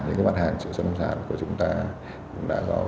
những mặt hàng xuất khẩu nông sản của chúng ta cũng đã có vị ảnh hưởng